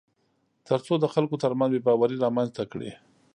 تر څو د خلکو ترمنځ بېباوري رامنځته کړي